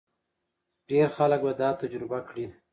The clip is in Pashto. ډېر خلک به دا تجربه کړي.